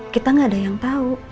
kita gaada yang tau